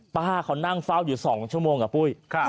ป้าเขานั่งเฝ้าอยู่๒ชั่วโมงอะปุ้ย